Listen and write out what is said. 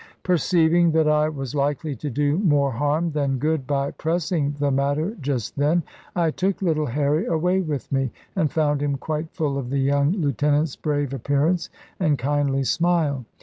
Perceiving that I was likely to do more harm than good by pressing the matter just then, I took little Harry away with me, and found him quite full of the young lieutenant's brave appearance and kindly smile.